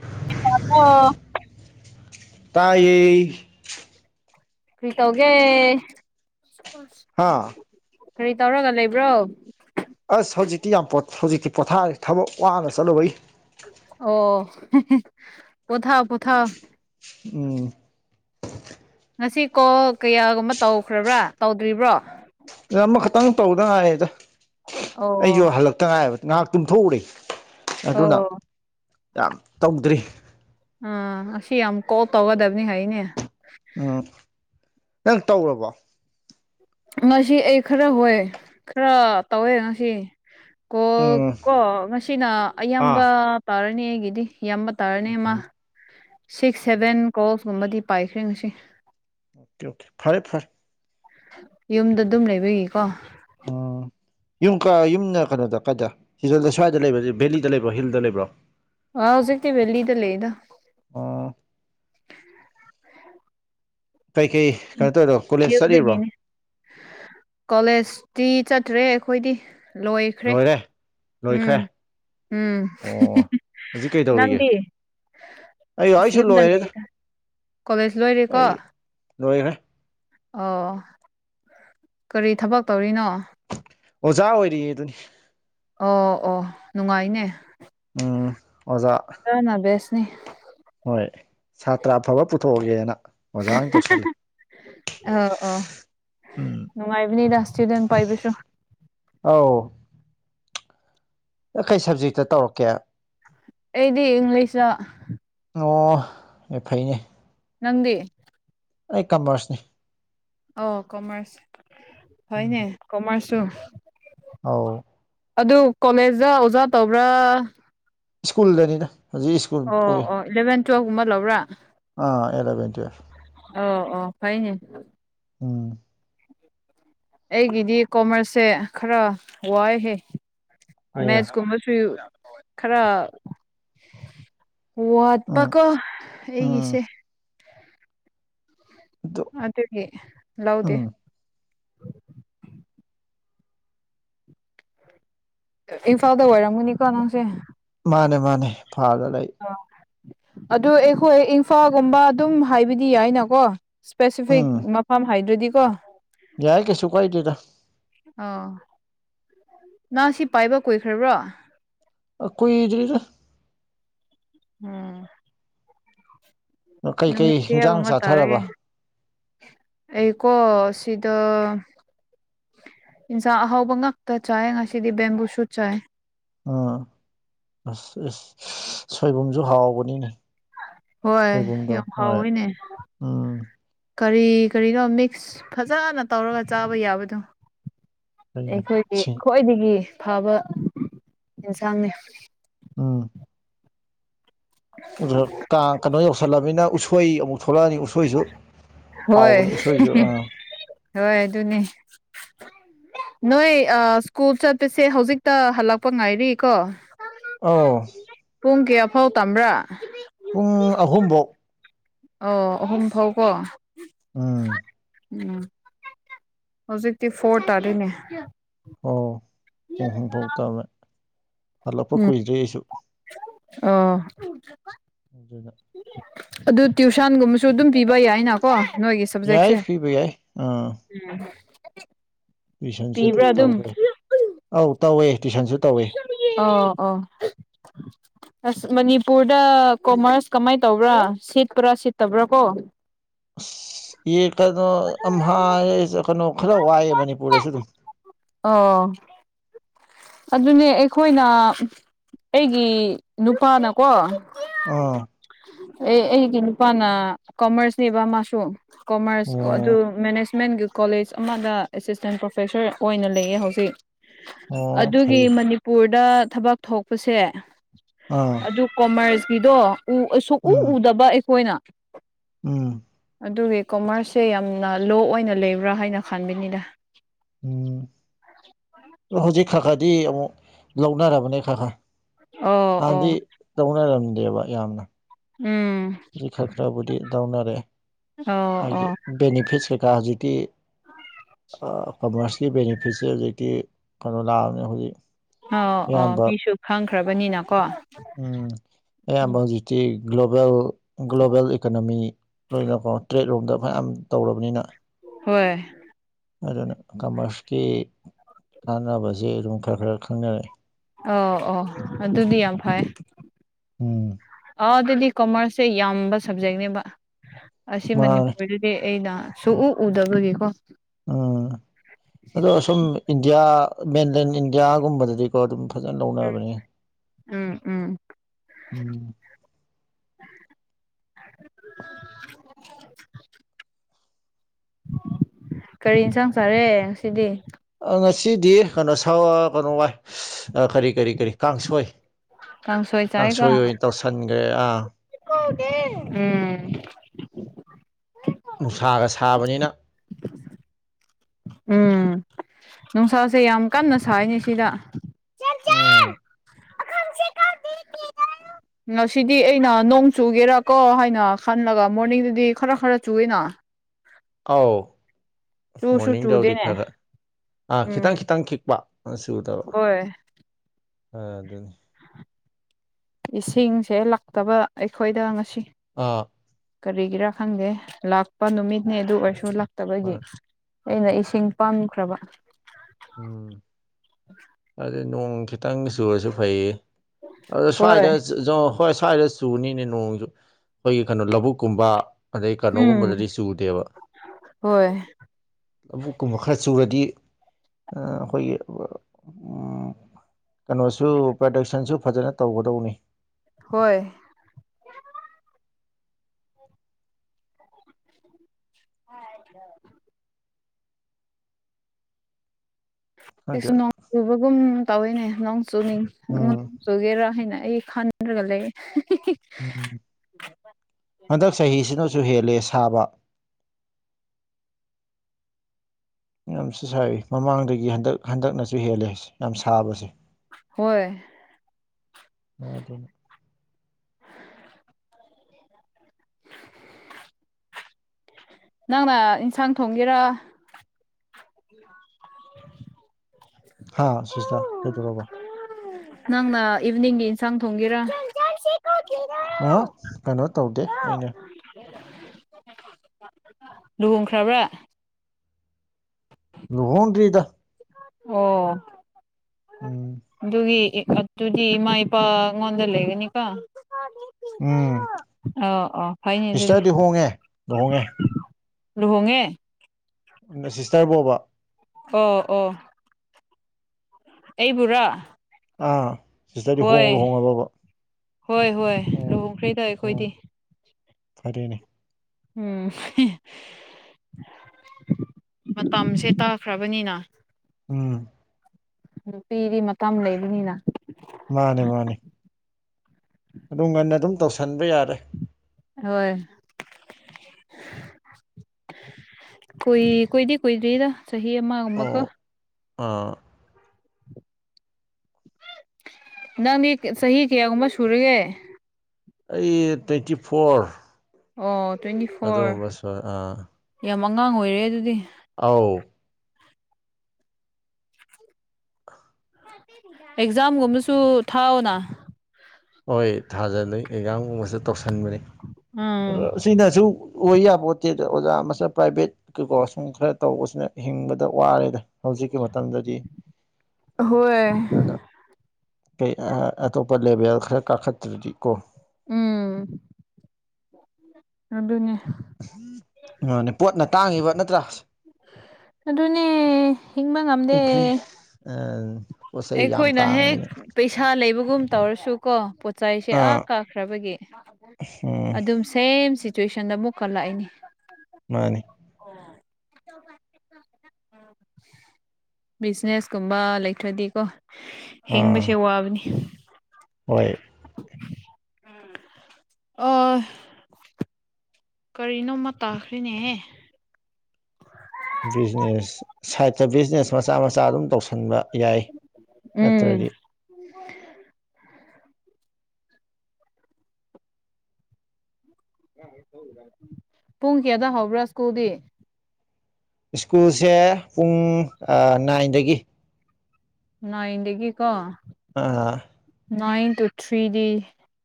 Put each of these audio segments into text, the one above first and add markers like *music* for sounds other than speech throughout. *unintelligible* ꯇꯥꯏꯌꯦ ꯀꯔꯤ ꯇꯧꯒꯦ ꯍꯥ ꯀꯔꯤ ꯇꯧꯔꯒ ꯂꯩꯕ꯭ꯔꯣ ꯑꯁ ꯍꯧꯖꯤꯛꯇꯤ ꯌꯥꯝ ꯄꯣꯠ ꯍꯧꯖꯤꯛꯇꯤ ꯄꯣꯊꯥꯔꯦ ꯊꯕꯛ ꯋꯥꯡꯅ ꯆꯠꯂꯨꯕꯩ ꯑꯣ ꯍꯦ ꯍꯦ ꯄꯣꯊꯥꯎ ꯄꯣꯊꯥꯎ ꯎꯝ ꯉꯁꯤ ꯀꯣꯜ ꯀꯌꯥꯒꯨꯝꯕ ꯇꯧꯈ꯭ꯔꯕ꯭ꯔꯥ ꯇꯧꯗ꯭ꯔꯤꯕ꯭ꯔꯣ ꯑꯃꯈꯛꯇꯪ ꯇꯧꯗ ꯉꯥꯏꯔꯤꯗ ꯑꯩꯁꯨ ꯑꯣ ꯍꯜꯂꯛꯇ ꯉꯥꯏꯕ ꯉꯥꯏꯍꯥꯛ ꯇꯨꯝꯊꯣꯛꯎꯔꯦ ꯑꯗꯨꯅ ꯑꯣ ꯌꯥꯝ ꯇꯧꯗ꯭ꯔꯤ ꯑꯥ ꯑꯁꯤ ꯌꯥꯝ ꯀꯣꯜ ꯇꯧꯒꯗꯕꯅꯤ ꯍꯥꯏꯅꯦ ꯎꯝ ꯅꯪ ꯇꯧꯔꯕꯣ ꯉꯁꯤ ꯑꯩ ꯈꯔ ꯍꯣꯏ ꯈꯔ ꯇꯧꯋꯦ ꯉꯁꯤ ꯀꯣꯜ ꯎꯝ ꯀꯣ ꯉꯁꯤꯅ ꯑꯥ ꯑꯌꯥꯝꯕ ꯇꯥꯔꯅꯤ ꯑꯩꯒꯤꯗꯤ ꯏꯌꯥꯝꯕ ꯇꯥꯔꯅꯤ ꯃꯥ ꯎꯝ ꯁꯤꯛꯁ ꯁꯦꯚꯦꯟ ꯀꯣꯔꯣꯁ ꯀꯨꯝꯕꯗꯤ ꯄꯥꯏꯈ꯭ꯔꯦ ꯉꯁꯤ ꯑꯣꯀꯦ ꯑꯣꯀꯦ ꯐꯔꯦ ꯐꯔꯦ ꯌꯨꯝꯗ ꯑꯗꯨꯝ ꯂꯩꯕꯒꯤꯀꯣ ꯎꯝ ꯌꯨꯝ ꯀꯥꯏ ꯌꯨꯝꯅ ꯀꯩꯅꯣꯗ ꯀꯥꯏꯗ ꯍꯤꯖꯗ ꯁ꯭ꯋꯥꯏꯗ ꯂꯩꯕ ꯕꯦꯂꯤꯗ ꯂꯩꯕ꯭ꯔꯣ ꯍꯤꯜꯗ ꯂꯩꯕ꯭ꯔꯣ ꯑꯥ ꯍꯧꯖꯤꯛꯗꯤ ꯚꯦꯂꯤꯗ ꯂꯩꯗ ꯑꯣ ꯀꯩꯀꯩ ꯀꯩꯅꯣ ꯇꯧꯔꯤꯔꯣ ꯀꯣꯂꯦꯖ ꯆꯠꯂꯤꯕ꯭ꯔꯣ ꯍꯤꯜꯗꯒꯤꯅꯦ ꯀꯂꯦꯖ ꯇꯤ ꯆꯠꯇ꯭ꯔꯦ ꯑꯩꯈꯣꯏꯗꯤ ꯂꯣꯏꯈ꯭ꯔꯦ ꯂꯣꯏꯔꯦ ꯎꯝ ꯂꯣꯏꯈ꯭ꯔꯦ ꯎꯝ ꯑꯣ ꯍꯤꯍꯤ ꯍꯧꯖꯤꯛ ꯀꯩꯗꯧꯔꯤꯒꯦ ꯅꯪꯗꯤ ꯑꯩ ꯁꯤ ꯑꯩꯁꯨ ꯌꯨꯝꯗ ꯂꯣꯏꯔꯦꯗ ꯂꯩꯌꯦꯗ ꯀꯣꯂꯦꯖ ꯂꯣꯏꯔꯦꯀꯣ ꯂꯣꯏꯔꯦ ꯑꯣ ꯀꯔꯤ ꯊꯕꯛ ꯇꯧꯔꯤꯅꯣ ꯑꯣꯖꯥ ꯑꯣꯏꯔꯤꯌꯦ ꯑꯗꯨꯅꯤ ꯑꯣ ꯑꯣ ꯅꯨꯡꯉꯥꯏꯅꯦ ꯑꯥ ꯑꯣꯖꯥꯅ ꯕꯦꯠꯁ ꯅꯦ ꯍꯣꯏ ꯁꯥꯇ꯭ꯔ ꯑꯐꯕ ꯄꯨꯊꯣꯛꯑꯒꯦꯅ ꯑꯣꯖꯥ ꯑꯣꯏꯅ ꯇꯧꯁꯜꯂꯦ ꯑꯧ ꯑꯧ ꯎꯝ ꯅꯨꯡꯉꯥꯏꯕꯤꯅꯦꯗ ꯢꯁꯇꯨꯗꯦꯟ ꯄꯥꯏꯕꯁꯨ ꯀꯔꯤ ꯁꯕꯖꯦꯛꯇ ꯇꯧꯔꯛꯀꯦ ꯑꯩꯗꯤ ꯏꯪꯂꯤꯁꯇ ꯑꯣ ꯐꯩꯅꯦ ꯅꯪꯗꯤ ꯑꯩ ꯀꯃꯔꯁꯅꯤ ꯑꯣ ꯀꯃꯔꯁ ꯐꯩꯅꯦ ꯀꯃꯔꯁꯁꯨ ꯑꯥꯎ ꯑꯗꯨ ꯀꯣꯂꯦꯖꯇ ꯑꯣꯖꯥ ꯇꯧꯕ꯭ꯔꯥ ꯁ꯭ꯀꯨꯜꯗꯅꯤꯗ ꯍꯧꯖꯤꯛ ꯁ꯭ꯀꯨꯜ ꯄꯨꯢ ꯑꯣ ꯑꯣ ꯏꯂꯚꯦꯟ ꯇꯨꯋꯦꯜꯕꯀꯨꯝꯕ ꯑꯥ ꯑꯦꯂꯕꯦꯟ ꯇꯨꯌꯦꯞ ꯑꯥꯎ ꯑꯥꯥꯎ ꯐꯩꯅꯦ ꯎꯝ ꯑꯩꯒꯤꯗꯤ ꯀꯣꯃꯔꯁꯁꯦ ꯈꯔ ꯋꯥꯏꯍꯦ ꯑꯣ ꯃꯦꯁꯀꯨꯝꯃꯁꯨ ꯈꯔ ꯎꯝ ꯋꯥꯠꯄꯀꯣ ꯎꯝ ꯑꯩꯒꯤꯁꯦ ꯑꯗꯨ ꯑꯗꯨꯗꯤ ꯂꯧꯗꯦ ꯎꯝ ꯏꯝꯐꯥꯜꯗ ꯑꯣꯏꯔꯝꯒꯅꯤꯀꯣ ꯅꯪꯁꯦ ꯃꯥꯅꯦ ꯃꯥꯅꯦ ꯐꯥꯗ ꯂꯩ ꯑꯗꯨ ꯑꯩꯈꯣꯏ ꯏꯝꯐꯥꯜꯒꯨꯝꯕ ꯑꯗꯨꯝ ꯍꯥꯏꯕꯗꯤ ꯌꯥꯏꯅꯀꯣ ꯏꯁꯄꯦꯁꯤꯐꯤꯛ ꯎꯝ ꯃꯐꯝ ꯍꯥꯏꯗ꯭ꯔꯗꯤꯀꯣ ꯌꯥꯏ ꯀꯩꯁꯨꯨ ꯀꯥꯏꯗꯦꯗ ꯑꯣ ꯅꯪ ꯁꯤ ꯄꯥꯏꯕ ꯀꯨꯏꯈ꯭ꯔꯕ꯭ꯔꯣ ꯀꯨꯢꯗ꯭ꯔꯤꯗ ꯎꯝ ꯀꯩꯀꯩ ꯅꯨꯃꯤꯠ ꯍꯤꯟꯖꯥꯡ ꯀꯌꯥꯒꯨꯝꯕ ꯇꯥꯔꯒꯦ ꯆꯥꯊꯔꯕ ꯑꯩꯀꯣ ꯑꯁꯤꯗ ꯏꯟꯁꯥꯡ ꯑꯍꯥꯎꯕ ꯉꯥꯛꯇ ꯆꯥꯏ ꯉꯁꯤꯗꯤ ꯕꯦꯝꯕꯨꯁꯨꯠ ꯆꯥꯏ ꯑꯥ ꯑꯁ ꯑꯁ ꯁꯣꯏꯕꯨꯝꯁꯨ ꯍꯥꯎꯕꯅꯤꯅꯦ ꯍꯣꯏ ꯌꯥꯝ ꯁꯣꯏꯕꯨꯝꯗꯣ ꯍꯣꯏ ꯍꯥꯎꯏꯅꯦ ꯎꯝ ꯀꯔꯤ ꯀꯔꯤꯅꯣ ꯃꯤꯛꯁ ꯐꯖꯅ ꯇꯧꯔꯒ ꯆꯥꯕ ꯌꯥꯕꯗꯣ ꯀꯩꯅꯣ ꯑꯩꯈꯣꯏꯗꯤ ꯁꯤ ꯈ꯭ꯋꯥꯏꯗꯒꯤ ꯐꯕ ꯌꯦꯟꯁꯥꯡꯅꯦ ꯑꯥ ꯀꯥꯡ ꯀꯩꯅꯣ ꯌꯧꯁꯜꯂꯕꯅꯤꯅ ꯎꯁꯣꯏ ꯑꯃꯨꯛ ꯊꯣꯛꯂꯛꯑꯅꯤ ꯎꯁꯣꯏꯁꯨ ꯍꯣꯏ ꯍꯥꯎꯕꯅꯤ ꯎꯁꯣꯏꯁꯨ ꯑꯥ ꯍꯣꯏ ꯑꯗꯨꯅꯤ ꯅꯣꯏ ꯁ꯭ꯀꯨꯜ ꯆꯠꯄꯁꯦ ꯍꯧꯖꯤꯛꯇ ꯍꯜꯂꯛꯄ ꯉꯥꯏꯔꯤꯀꯣ ꯑꯧ ꯄꯨꯡ ꯀꯌꯥꯐꯥꯎ ꯇꯝꯕ꯭ꯔꯥ ꯄꯨꯡ ꯑꯍꯨꯝꯕꯧ ꯑꯣ ꯑꯍꯨꯝ ꯐꯥꯎꯀꯣ ꯎꯝ ꯎꯝ ꯍꯧꯖꯤꯛꯇꯤ ꯐꯣꯔ ꯇꯥꯗ꯭ꯔꯤꯅꯦ ꯑꯣ ꯄꯨꯡ ꯑꯍꯨꯝ ꯐꯥꯎ ꯇꯝꯃꯦ ꯍꯜꯂꯞꯄ ꯀꯨꯏꯗ꯭ꯔꯤ ꯑꯩꯁꯨ ꯑꯧ ꯑꯗꯨꯅ ꯑꯗꯨ ꯇ꯭ꯌꯨꯁꯟꯒꯨꯝꯕꯁꯨ ꯑꯗꯨꯝ ꯄꯤꯕ ꯌꯥꯏꯅꯀꯣ ꯅꯣꯏꯒꯤ ꯌꯥꯏ ꯁꯕꯖꯦꯛꯁꯦ ꯎ ꯄꯤꯕ ꯌꯥꯏ ꯇꯨꯢꯁꯟꯁꯨ ꯑꯗꯨꯝ ꯇꯧꯒꯦ ꯑꯥꯎ ꯇꯧꯋꯦ ꯇꯨꯏꯁꯟꯁꯨ ꯇꯧꯋꯦ ꯑꯣ ꯑꯣ ꯑꯁ ꯃꯅꯤꯄꯨꯔꯗ ꯀꯣꯃꯔꯁ ꯀꯃꯥꯏꯅ ꯇꯧꯕ꯭ꯔꯥ ꯁꯤꯠꯄ꯭ꯔꯥ ꯁꯤꯠꯇꯕ꯭ꯔꯥ ꯀꯣ ꯑꯁ ꯌꯦ ꯀꯩꯅꯣ ꯑꯝꯍꯥ ꯀꯩꯅꯣ ꯈꯔ ꯋꯥꯏꯑꯦ ꯃꯅꯤꯄꯨꯔꯗꯁꯨ ꯑꯗꯨꯝ ꯑꯣ ꯑꯗꯨꯅꯦ ꯑꯩꯈꯣꯏꯅ ꯑꯩꯒꯤ ꯅꯨꯄꯥꯅꯀꯣ ꯑꯥ ꯑꯦ ꯑꯩꯒꯤ ꯅꯨꯄꯥꯅ ꯀꯣꯃꯔꯁꯅꯦꯕ ꯃꯥꯁꯨ ꯀꯣꯃꯔꯁ ꯑꯗꯨ ꯑꯣ ꯃꯦꯅꯦꯖ ꯃꯦꯟꯒꯤ ꯀꯣꯂꯦꯖ ꯑꯃꯗ ꯑꯦꯁꯤꯁꯇꯦꯟ ꯄ꯭ꯔꯣꯐꯦꯁꯔ ꯑꯣꯏꯅ ꯂꯩꯌꯦ ꯍꯧꯖꯤꯛ ꯑꯣ ꯑꯗꯨꯒꯤ ꯐꯩ ꯃꯅꯤꯄꯨꯔꯗ ꯊꯕꯛ ꯊꯣꯛꯄꯁꯦ ꯑꯥ ꯑꯗꯨ ꯀꯣꯃꯔꯁ ꯀꯤꯗꯣ ꯎ ꯁꯨꯛꯎ ꯎꯝ ꯎꯗꯕ ꯑꯩꯈꯣꯏꯅ ꯎꯝ ꯑꯗꯨꯒꯤ ꯀꯣꯃꯔꯁꯁꯦ ꯌꯥꯝꯅ ꯂꯣ ꯑꯣꯏꯅ ꯂꯩꯕ꯭ꯔꯥ ꯍꯥꯏꯅ ꯈꯟꯕꯅꯤꯅ ꯎꯝ ꯍꯧꯖꯤꯛ ꯈꯈꯗꯤ ꯑꯃꯨꯛ ꯂꯧꯅꯔꯕꯅꯦ ꯈꯈ ꯑꯣ ꯍꯥꯟꯅꯗꯤ ꯑꯣ ꯂꯧꯅꯔꯝꯗꯦꯕ ꯌꯥꯝꯅ ꯎꯝ ꯖꯤꯛ ꯈꯔ ꯈ꯭ꯔꯕꯨꯗꯤ ꯂꯧꯅꯔꯛꯑ ꯑꯣ ꯍꯥꯏꯒꯤ ꯑꯣ ꯕꯤꯅꯤꯐꯤꯠꯁꯦ ꯀꯥ ꯍꯨꯖꯤꯛꯇꯤ ꯑꯥ ꯀꯃꯔꯁ ꯀꯤ ꯕꯦꯅꯤꯐꯤꯠꯁꯦ ꯍꯧꯖꯤꯛꯇꯤ ꯀꯩꯅꯣ ꯂꯥꯛꯑꯕꯅꯤꯅ ꯍꯧꯖꯤꯛ ꯑꯣ ꯑꯣ ꯑꯌꯥꯝꯕ ꯃꯤꯁꯨ ꯈꯪꯈ꯭ꯔꯕꯅꯤꯅꯀꯣ ꯎꯝ ꯑꯌꯥꯝꯕ ꯍꯧꯖꯤꯛꯇꯤ ꯒ꯭ꯂꯣꯕꯦꯜ ꯒ꯭ꯂꯣꯕꯦꯜ ꯏꯀꯣꯅꯣꯃꯤ ꯂꯣꯏꯅꯀꯣ ꯇ꯭ꯔꯦꯠꯂꯣꯝꯗ ꯐꯅꯌꯥꯝ ꯇꯧꯔꯕꯅꯤꯅ ꯍꯣꯏ ꯑꯗꯨꯅ ꯀꯃꯔꯁꯀꯤ ꯀꯥꯟꯅꯕꯁꯦ ꯑꯗꯨꯝ ꯈꯔ ꯈꯔ ꯈꯪꯅꯔꯛꯑꯦ ꯑꯣ ꯑꯣ ꯑꯗꯨꯗꯤ ꯌꯥꯝ ꯐꯩ ꯎꯝ ꯑꯦ ꯑꯗꯨꯗꯤ ꯀꯣꯃꯔꯁꯁꯦ ꯌꯥꯝꯕ ꯁꯕꯖꯦꯛꯅꯦꯕ ꯑꯁꯤ ꯃꯥꯅꯦ ꯃꯅꯤꯄꯨꯔꯗꯗꯤ ꯑꯩꯅ ꯁꯨꯎ ꯎꯗꯕꯒꯤꯀꯣ ꯎꯝ ꯑꯗꯣ ꯁꯨꯝ ꯏꯟꯗꯤꯌꯥ ꯃꯦꯟꯂꯦꯟ ꯏꯟꯗꯤꯌꯥꯒꯨꯝꯕꯗꯗꯤꯀꯣ ꯑꯗꯨꯝ ꯐꯖꯅ ꯂꯧꯅꯕꯅꯦ ꯎꯝ ꯎꯝ ꯎꯝ *unintelligible* ꯀꯔꯤ ꯌꯦꯟꯁꯥꯡ ꯆꯥꯔꯦ ꯉꯁꯤꯗꯤ ꯉꯁꯤꯗꯤ ꯀꯩꯅꯣ ꯁꯥ ꯀꯩꯅꯣ ꯋꯥꯏ ꯀꯔꯤ ꯀꯔꯤ ꯀꯔꯤ ꯀꯥꯡꯁꯣꯏ ꯀꯥꯡꯁꯣꯏ ꯑꯣꯏꯅ ꯇꯧꯁꯟꯈ꯭ꯔꯦ ꯑꯥ ꯥꯥꯥꯥꯥꯎꯝ *unintelligible* ꯅꯨꯡꯁꯥꯒ ꯁꯥꯕꯅꯤꯅ ꯎꯝ ꯅꯨꯡꯁꯥꯁꯦ ꯌꯥꯝ ꯀꯟꯅ ꯁꯥꯏꯅꯦ ꯁꯤꯗ ꯎꯝ ꯉꯁꯤꯗꯤ ꯑꯩꯅ ꯅꯣꯡ ꯆꯨꯒꯦꯔꯥ ꯀꯣ ꯍꯥꯏꯅ ꯈꯜꯂꯒ ꯃꯣꯔꯅꯤꯡꯗꯗꯤ ꯈꯔ ꯈꯔ ꯆꯨꯋꯦꯅ ꯑꯥꯎ ꯆꯨꯁꯨ ꯃꯣꯔꯅꯤꯡꯗꯗꯤ ꯆꯨꯗꯦꯅꯦ ꯈꯔ ꯑꯥ ꯎꯝ ꯈꯤꯇꯪ ꯈꯤꯇꯪ ꯈꯤꯛꯄ ꯆꯨꯗꯕ ꯍꯣꯏ ꯑꯥ ꯑꯗꯨꯅꯤ ꯏꯁꯤꯡꯁꯦ ꯂꯛꯇꯕ ꯑꯩꯈꯣꯏꯗ ꯉꯁꯤ ꯑꯥ ꯀꯔꯤꯒꯤꯔ ꯈꯪꯗꯦ ꯂꯥꯛꯄ ꯅꯨꯃꯤꯠꯅꯦ ꯑꯗꯨ ꯑꯣꯏꯔꯁꯨ ꯂꯥꯛꯇꯕꯒꯤ ꯑꯩꯅ ꯏꯁꯤꯡ ꯄꯥꯃꯨꯈ꯭ꯔꯕ ꯎꯝ ꯑꯗꯨ ꯅꯣꯡ ꯈꯤꯇꯪ ꯆꯨꯔꯁꯨ ꯐꯩꯌꯦ ꯑꯗꯨ ꯁ꯭ꯋꯥꯏꯗ ꯍꯣꯏ ꯖꯣꯔꯣ ꯍꯣꯏ ꯁ꯭ꯋꯥꯏꯗ ꯆꯨꯅꯤꯅꯦ ꯅꯣꯡꯁꯨ ꯑꯩꯈꯣꯏꯒꯤ ꯀꯩꯅꯣ ꯂꯧꯕꯨꯛ ꯀꯨꯝꯕ ꯑꯗꯩ ꯎꯝ ꯀꯩꯅꯣꯒꯨꯝꯕꯗꯗꯤ ꯆꯨꯗꯦꯕ ꯍꯣꯏ ꯂꯧꯕꯨꯛꯀꯨꯝꯕ ꯈꯔ ꯆꯨꯔꯗꯤ ꯑꯥ ꯑꯩꯈꯣꯏꯒꯤ ꯎꯝ ꯀꯩꯅꯣꯁꯨ ꯄ꯭ꯔꯗꯛꯁꯟꯁꯨ ꯐꯖꯅ ꯇꯧꯒꯗꯧꯅꯤ ꯍꯣꯏ *unintelligible* ꯈꯪꯗꯦ ꯀꯩꯁꯨ ꯅꯣꯡ ꯆꯨꯕꯒꯨꯝ ꯇꯧꯋꯤꯅꯦ ꯅꯣꯡ ꯆꯨꯅꯤ ꯅꯣꯡ ꯎꯝ ꯆꯨꯒꯦꯔꯥ ꯍꯥꯢꯅ ꯑꯩ ꯈꯟꯗ꯭ꯔꯒ ꯂꯩ ꯎꯝ ꯍꯟꯗꯛ ꯆꯍꯤꯁꯤꯅꯁꯨ ꯍꯦꯜꯂꯦ ꯁꯥꯥꯕ ꯌꯥꯝꯁꯨ ꯁꯥꯏ ꯃꯃꯥꯡꯗꯒꯤ ꯍꯟꯗꯛ ꯍꯟꯗꯛꯅꯁꯨ ꯍꯦꯜꯂꯦ ꯌꯥꯝ ꯁꯥꯕꯁꯦ ꯍꯣꯏ ꯑꯥ ꯑꯗꯨꯅ ꯅꯪꯅ ꯏꯟꯁꯥꯡ ꯊꯣꯡꯒꯦꯔ *unintelligible* ꯍꯥꯥ ꯁꯤꯁꯇ ꯀꯩꯗꯧꯔꯕ ꯅꯪꯅ ꯏꯚꯅꯤꯡꯒꯤ ꯌꯦꯟꯁꯥꯡ ꯊꯣꯡꯒꯦꯔꯥ ꯑꯥ ꯀꯩꯅꯣ ꯇꯧꯗꯦ ꯑꯩꯅ *unintelligible* ꯂꯨꯍꯣꯡꯈ꯭ꯔꯕ꯭ꯔ ꯂꯨꯍꯣꯡꯗꯔꯤꯗ ꯑꯣ ꯎꯝ ꯑꯗꯨꯒꯤ ꯑꯗꯨꯗꯤ ꯢꯃꯥ ꯢꯄꯥ ꯉꯣꯟꯗ ꯂꯩꯔꯅꯤꯀꯣ ꯎꯝ ꯑꯣ ꯑꯣ ꯐꯩꯅꯦ ꯑꯗꯨꯗꯤ ꯁꯤꯁꯇꯔꯗꯤ ꯍꯣꯡꯉꯦ ꯂꯨꯍꯣꯡꯉꯦ ꯂꯨꯍꯣꯡꯉꯦ ꯁꯤꯁꯇꯔꯕꯨꯕ ꯑꯣ ꯑꯣ ꯑꯩꯕꯨꯔꯥ ꯑꯥ ꯁꯤꯁꯇꯔꯗꯤ ꯍꯣꯡ ꯍꯣꯏ ꯂꯨꯍꯣꯡꯉꯕꯕ ꯍꯣꯏ ꯍꯣꯏ ꯑꯣ ꯂꯨꯍꯣꯡꯈ꯭ꯔꯦꯗ ꯑꯣ ꯑꯩꯈꯣꯏꯗꯤ ꯐꯔꯦꯅꯦ ꯎꯝ ꯃꯇꯝꯁꯦ ꯇꯥꯈ꯭ꯔꯕꯅꯤꯅ ꯑꯥ ꯅꯨꯄꯤꯗꯤ ꯃꯇꯝ ꯂꯩꯕꯅꯤꯅ ꯃꯥꯅꯦ ꯃꯥꯅꯦ ꯑꯗꯨ ꯉꯟꯅ ꯑꯗꯨꯝ ꯇꯧꯁꯟꯕ ꯌꯥꯔꯦ ꯍꯣꯏ ꯀꯨꯏ ꯀꯨꯏꯗꯤ ꯀꯨꯏꯗ꯭ꯔꯤꯗ ꯆꯍꯤ ꯑꯃꯒꯨꯝꯔ ꯀꯣ ꯑꯣ ꯑꯥ ꯅꯪꯗꯤ ꯆꯍꯤ ꯀꯌꯥꯒꯨꯝꯕ ꯁꯨꯔꯒꯦ ꯑꯩ ꯇ꯭ꯋꯦꯟꯇꯤ ꯐꯣꯔ ꯑꯣ ꯇ꯭ꯋꯦꯟꯇꯤ ꯐꯣꯔ ꯑꯗꯨꯒꯨꯝꯕꯁꯨ ꯑꯥ ꯌꯥꯝ ꯑꯉꯥꯡ ꯑꯣꯏꯔꯦ ꯑꯗꯨꯗꯤ ꯑꯧ ꯑꯦꯛꯖꯥꯝꯒꯨꯝꯕꯁꯨ ꯊꯥꯎꯑꯣꯅ ꯍꯣꯏ ꯊꯥꯖꯟꯗꯩ ꯑꯦꯛꯖꯥꯡꯒꯨꯝꯕꯁꯨ ꯇꯧꯁꯟꯕꯅꯤ ꯎꯝ ꯔꯁꯤꯅꯁꯨꯨ ꯑꯣꯏ ꯌꯥꯄꯣꯟꯇꯦ ꯇ ꯑꯣꯖꯥ ꯃꯆꯥ ꯄ꯭ꯔꯥꯏꯚꯦꯠ ꯀꯩꯀꯣ ꯁꯨꯝ ꯈꯔ ꯇꯧꯕꯁꯤꯅ ꯍꯤꯡꯕꯗ ꯋꯥꯔꯦꯗ ꯍꯧꯖꯤꯛꯀꯤ ꯃꯇꯝꯗꯗꯤ ꯍꯣꯏ ꯗꯨꯅ ꯀꯩ ꯑ ꯑꯇꯣꯞꯄ ꯂꯦꯕꯦꯜ ꯈꯔ ꯀꯥꯈꯠꯇ꯭ꯔꯗꯤ ꯀꯣ ꯎꯝ ꯑꯗꯨꯅꯦ ꯃꯥꯅꯦ ꯄꯣꯠꯅ ꯇꯥꯡꯉꯤꯕ ꯅꯠꯇ꯭ꯔꯥ ꯑꯗꯨꯅꯦ ꯍꯤꯡꯕ ꯉꯝꯗꯦ ꯏꯟꯐ꯭ꯂꯦ ꯑꯥ ꯄꯣꯠ ꯆꯩ ꯌꯥꯝ ꯑꯩꯈꯣꯏꯅ ꯍꯦꯛ ꯇꯥꯡꯕꯅꯤ ꯄꯩꯁꯥ ꯂꯩꯕ ꯑꯗꯨꯒꯨꯝ ꯇꯧꯔꯁꯨ ꯀꯣ ꯄꯣꯠꯆꯩꯁꯦ ꯑꯥ ꯀꯥꯈ꯭ꯔꯕꯒꯤ ꯎꯝ ꯑꯗꯨꯝ ꯁꯦꯝꯁꯤ ꯁꯤꯆꯨꯋꯦꯁꯟꯗ ꯑꯃꯨꯛ ꯀ ꯂꯛꯏꯅꯤ ꯃꯥꯅꯤ ꯕꯤꯖꯤꯅꯦꯁ ꯀꯨꯝꯕ ꯂꯩꯇ꯭ꯔꯗꯤꯀꯣ ꯑꯥ ꯍꯤꯡꯕꯁꯦ ꯋꯥꯕꯅꯤ ꯍꯣꯏ ꯑꯣ ꯀꯔꯤꯅꯣꯃ ꯇꯥꯈ꯭ꯔꯦꯅꯦ ꯕꯤꯖꯤꯅꯦꯁ ꯁꯥꯏꯠꯇ ꯕꯤꯖꯤꯅꯦꯁ ꯃꯆꯥ ꯃꯆꯥ ꯑꯗꯨꯝ ꯇꯧꯁꯟꯕ ꯌꯥꯏ ꯎꯝ ꯅꯠꯇ꯭ꯔꯗꯤ *inaudible* ꯄꯨꯡ ꯀꯌꯥꯗ ꯍꯧꯕ꯭ꯔꯥ ꯁ꯭ꯀꯨꯜꯗꯤ ꯁ꯭ꯀꯨꯜꯁꯦ ꯄꯨꯡ ꯑ ꯅꯥꯏꯟꯗꯒꯤ ꯅꯥꯏꯟꯗꯒꯤꯀꯣ ꯑ ꯅꯥꯏꯟ ꯇꯨ ꯊ꯭ꯔꯤ ꯗꯤ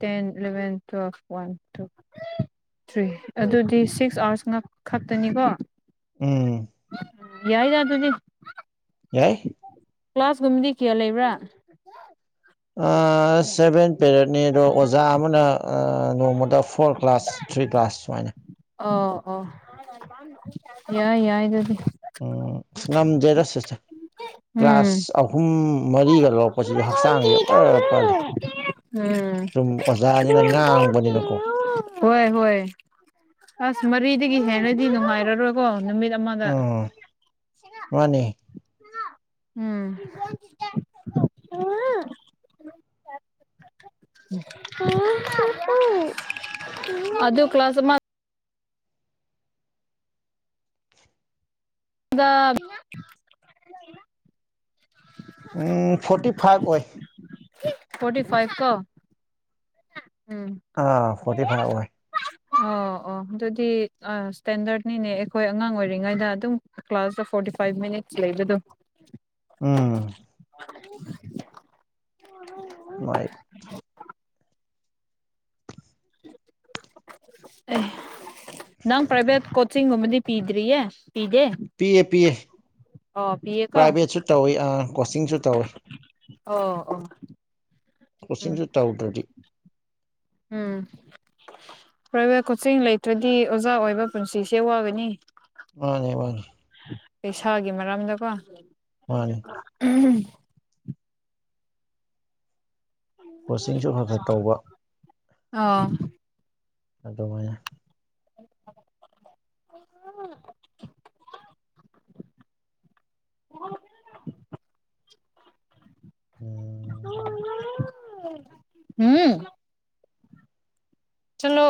ten eleven twelve one two three ꯑꯗꯨꯗꯤ ꯁꯤꯛꯁ ꯑꯥꯋꯔꯁ ꯉ ꯈꯛꯇꯅꯤꯀꯣ ꯎꯝ ꯌꯥꯏ ꯌꯥ ꯑꯗꯨꯗꯤ ꯌꯥꯏ ꯀ꯭ꯂꯥꯁꯒꯨꯝꯕꯗꯤ ꯀ꯭ꯌꯥ ꯂꯩꯕ꯭ꯔꯥ ꯄꯦꯔꯠꯅꯤ ꯑꯗꯣ ꯑꯣꯖꯥ ꯑꯃꯅ ꯅꯣꯡꯃꯗ ꯐꯣꯔ ꯀ꯭ꯂꯥꯁ ꯊ꯭ꯔꯤ ꯀ꯭ꯂꯥꯁ ꯁꯨꯃꯥꯏꯅ ꯑꯣ ꯑꯣ ꯌꯥꯏ ꯌꯥꯏ ꯑꯗꯨꯗꯤ ꯎꯝ ꯉꯝꯗ꯭ꯔꯦꯗ ꯁꯤꯁꯇꯔ ꯀ꯭ꯂꯥꯁ ꯑꯍꯨꯝ ꯃꯔꯤꯒ *unintelligible* ꯎꯝ ꯂꯧꯔꯛꯄꯁꯤꯁꯨ ꯍꯛꯆꯥꯡꯁꯦ ꯄꯔ ꯄꯜꯂꯦ ꯁꯨꯝ ꯑꯣꯖꯥꯅꯤꯅ *unintelligible* ꯉꯥꯡꯕꯅꯤꯅꯀꯣ *inaudible* ꯍꯣꯏ ꯍꯣꯏ ꯑꯁ ꯃꯔꯤ ꯗꯒꯤ ꯍꯦꯟꯔꯗꯤ ꯅꯨꯡꯉꯥꯏꯔꯔꯣꯏꯀꯣ ꯅꯨꯃꯤꯠ ꯑꯃꯗ ꯎꯝ ꯃꯥꯅꯤ ꯎꯝ *unintelligible* *unintelligible* ꯑꯗꯨ ꯀ꯭ꯂꯥꯁ ꯑꯃꯥ ꯒ *unintelligible* ꯎꯝ ꯐꯣꯔꯇꯤ ꯐꯥꯏꯚ ꯑꯣꯏ ꯐꯣꯔꯇꯤ ꯐꯥꯏꯚ ꯀꯣ ꯎꯝ ꯑꯥ ꯐꯣꯔꯇꯤ ꯐꯥꯏꯞ ꯑꯣꯏ ꯑꯣ ꯑꯣ ꯑꯗꯨꯗꯤ ꯑ ꯁ꯭ꯇꯦꯟꯗꯔꯠꯅꯤꯅꯦ ꯑꯩꯈꯣꯏ ꯑꯉꯥꯡ ꯑꯣꯏꯔꯤꯉꯩꯗ ꯑꯗꯨꯝ ꯀ꯭ꯂꯥꯁꯇ ꯐꯣꯔ ꯇꯤ ꯐꯥꯏꯚ ꯃꯤꯅꯤꯠꯁ ꯂꯩꯕꯗꯣ ꯎꯝ *inaudible* ꯂꯥꯢꯠ ꯑꯦ ꯅꯪ ꯄ꯭ꯔꯥꯏꯚꯦꯠ ꯀꯣꯆꯤꯡ ꯒꯨꯝꯕꯗꯤ ꯄꯤꯗ꯭ꯔꯤꯌꯦ ꯄꯤꯗꯦ ꯄꯤꯌꯦ ꯄꯤꯌꯦ ꯑꯣ ꯄꯤꯌꯦꯀꯣ ꯄ꯭ꯔꯥꯏꯚꯦꯠꯁꯨ ꯇꯧꯏ ꯑ ꯀꯣꯆꯤꯡꯁꯨ ꯇꯧꯏ ꯑꯣ ꯑꯣ ꯎꯝ ꯀꯣꯆꯤꯡꯁꯨ ꯇꯧꯗ꯭ꯔꯗꯤ ꯎꯝ ꯄ꯭ꯔꯥꯏꯚꯦꯠ ꯀꯣꯆꯤꯡ ꯂꯩꯇ꯭ꯔꯗꯤ ꯑꯣꯖꯥ ꯑꯣꯏꯕ ꯄꯨꯟꯁꯤꯁꯦ ꯋꯥꯒꯅꯤ ꯃꯥꯅꯦ ꯃꯥꯅꯦ ꯄꯩꯁꯥꯒꯤ ꯃꯔꯝꯗꯀꯣ ꯃꯥꯅꯦ ꯀꯣꯆꯤꯡꯁꯨ ꯈꯔ ꯈꯔ ꯇꯧꯕ ꯑꯥ ꯑꯗꯨꯃꯥꯢꯅ *inaudible* ꯍꯝ ꯆꯠꯂꯣ